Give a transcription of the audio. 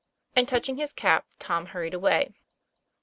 And touching his cap Tom hurried away.